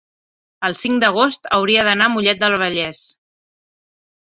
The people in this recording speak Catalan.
el cinc d'agost hauria d'anar a Mollet del Vallès.